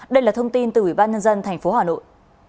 đây là thông tin từ ubnd tp hà nội